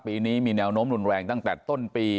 ปีนี้มีแนวโน้มรุนแรงตั้งแต่ต้นปี